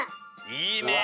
いいね。